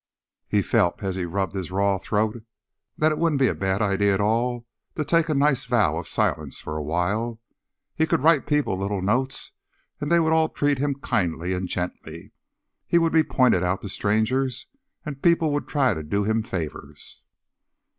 He felt, as he rubbed his raw throat, that it wouldn't be a bad idea at all to take a nice vow of silence for awhile. He could write people little notes, and they would all treat him kindly and gently. He would be pointed out to strangers, and people would try to do him favors.